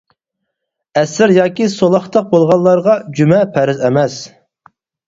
ئەسىر ياكى سولاقتا بولغانلارغا جۈمە پەرز ئەمەس.